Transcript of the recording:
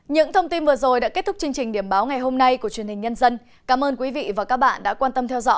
những thông tin vừa rồi đã kết thúc chương trình điểm báo ngày hôm nay của truyền hình nhân dân